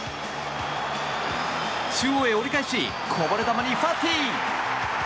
中央へ折り返しこぼれ球にファティ。